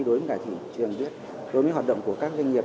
đối với cả thị trường biết đối với hoạt động của các doanh nghiệp